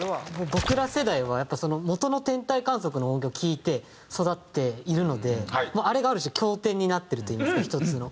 僕ら世代はやっぱもとの『天体観測』の音源を聴いて育っているのであれがある種教典になってるといいますか１つの。